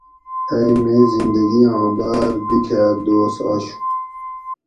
ائ میں زندہ گیاں باۤر بیکھاۤر دوس آشو